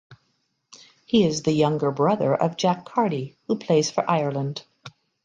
He is the younger brother of Jack Carty who plays for Ireland.